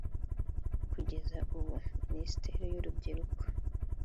Kugeza ubu Minisiteri y’urubyiruko